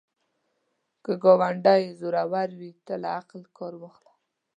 که ګاونډی زورور وي، ته له عقل کار واخله